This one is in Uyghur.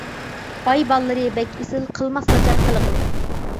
باي باللىرى بەك ئېسىل، قىلماس ناچار قىلىقنى.